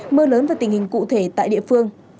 mưa lớn và tình hình cụ thể tại địa phương